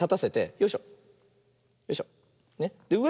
よいしょ。